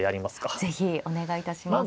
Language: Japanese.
是非お願いいたします。